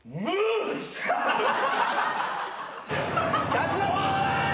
脱落！